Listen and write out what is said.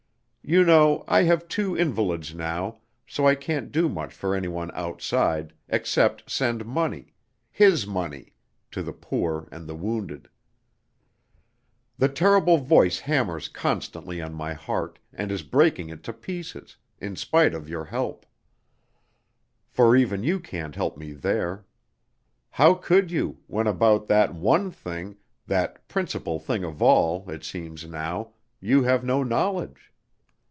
You know, I have two invalids now, so I can't do much for any one outside, except send money his money, to the poor and the wounded. "The terrible voice hammers constantly on my heart, and is breaking it to pieces, in spite of your help. For even you can't help me there. How could you, when about that one thing that principal thing of all, it seems now you have no knowledge?